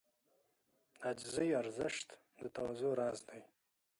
د عاجزۍ ارزښت د تواضع راز دی.